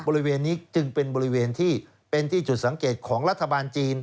บริเวณนี้จึงเป็นบริเวณที่เป็นที่จุดสังเกตของรัฐบาลจีน